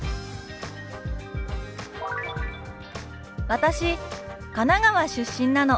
「私神奈川出身なの」。